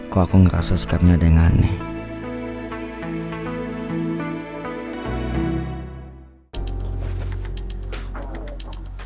kok aku ngerasa sikapnya ada yang aneh